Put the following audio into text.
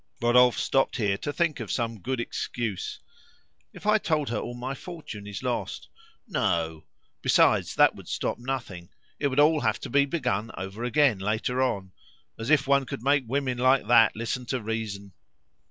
Rodolphe stopped here to think of some good excuse. "If I told her all my fortune is lost? No! Besides, that would stop nothing. It would all have to be begun over again later on. As if one could make women like that listen to reason!"